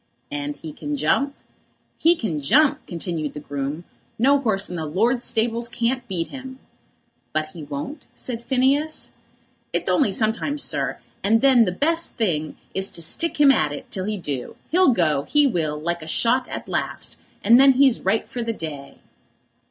"And he can jump?" "He can jump!" continued the groom; "no 'orse in my lord's stables can't beat him." "But he won't?" said Phineas. "It's only sometimes, sir, and then the best thing is to stick him at it till he do. He'll go, he will, like a shot at last; and then he's right for the day."